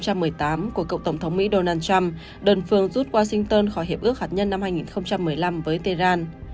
của cộng tổng thống mỹ donald trump đơn phương rút washington khỏi hiệp ước hạt nhân năm hai nghìn một mươi năm với tehran